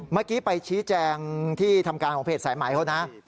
เมื่อกี้ไปชี้แจงที่ทำการของเพจสายใหม่เขานะ